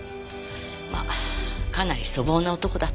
まあかなり粗暴な男だったから。